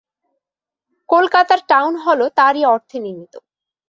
কলকাতার টাউন হলও তারই অর্থে নির্মিত।